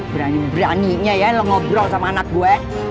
berani beraninya ya lo ngobrol sama anak gue eh